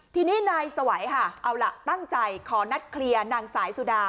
ทีนี้นายสวัยค่ะเอาล่ะตั้งใจขอนัดเคลียร์นางสายสุดา